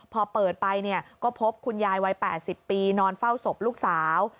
พอเปิดไปเนี่ยก็พบคุณยายวัย๘๐ปีนอนเฝ้าศพลูกสาว